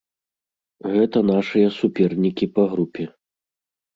Гэта нашыя супернікі па групе.